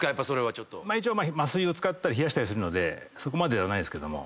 一応麻酔を使ったり冷やしたりするのでそこまでではないですけども。